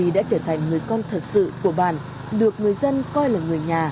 một người con thật sự của bạn được người dân coi là người nhà